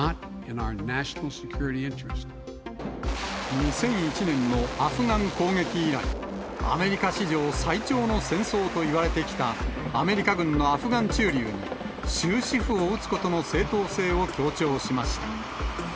２００１年のアフガン攻撃以来、アメリカ史上最長の戦争といわれてきたアメリカ軍のアフガン駐留に、終止符を打つことの正当性を強調しました。